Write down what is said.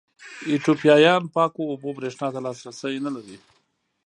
ایتوپیایان پاکو اوبو برېښنا ته لاسرسی نه لري.